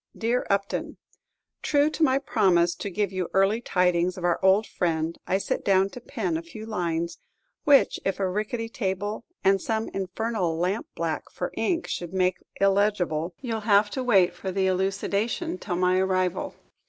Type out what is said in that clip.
Dear Upton, True to my promise to give you early tidings of our old friend, I sit down to pen a few lines, which if a rickety table and some infernal lampblack for ink should make illegible, you 'll have to wait for the elucidation till my arrival.